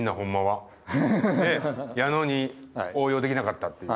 やのに応用できなかったっていう。